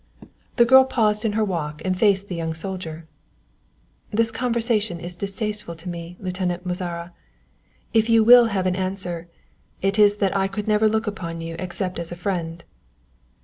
The girl paused in her walk and faced the young soldier. "This conversation is distasteful to me, Lieutenant Mozara. If you will have an answer, it is that I could never look upon you except as a friend."